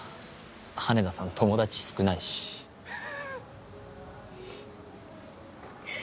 羽田さん友達少ないしフフ